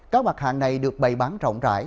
các mặt hàng này được bày bán rộng rãi